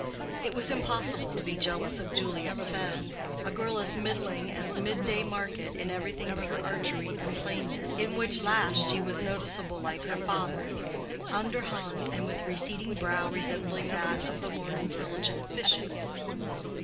It was impossible to be jealous of Juliet Fenn, a girl as middling as midday market in everything but her archery and plainness, in which last she was noticeable like her father: underhung and with receding brow resembling that of the more intelligent fishes.